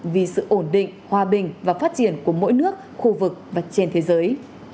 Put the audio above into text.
vì sự ổn định hòa bình và phát triển của mỗi nước khu vực và trên thế giới